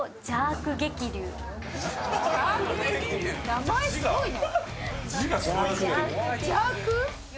名前すごいね。